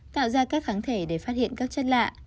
tạo ra các kháng thể để phát hiện các chất lạ